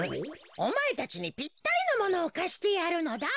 おまえたちにぴったりのものをかしてやるのだ。